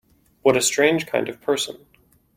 What a strange kind of person!